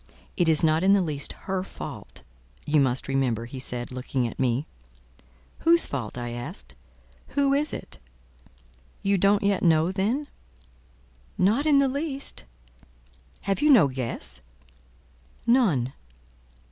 "It is not in the least her fault, you must remember," he said, looking at me. "Whose fault?" I asked. "Who is it?" "You don't yet know, then?" "Not in the least." "Have you no guess?" "None."